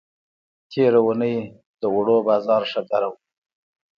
تېره اوونۍ د اوړو بازار ښه گرم و.